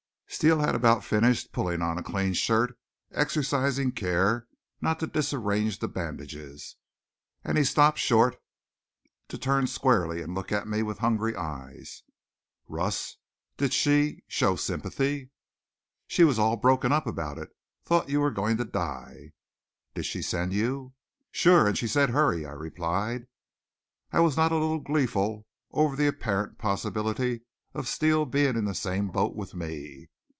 Steele had about finished pulling on a clean shirt, exercising care not to disarrange the bandages; and he stopped short to turn squarely and look at me with hungry eyes. "Russ, did she show sympathy?" "She was all broken up about it. Thought you were going to die." "Did she send you?" "Sure. And she said hurry," I replied. I was not a little gleeful over the apparent possibility of Steele being in the same boat with me.